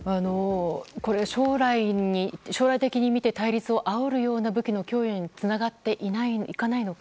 将来的に見て対立をあおるような武器の供与につながっていかないか